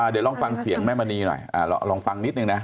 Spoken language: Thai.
เดี๋ยวลองฟังเสียงแม่มณีหน่อยลองฟังนิดนึงนะ